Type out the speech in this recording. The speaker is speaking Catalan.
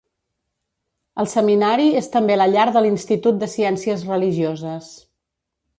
El seminari és també la llar de l'Institut de Ciències Religioses.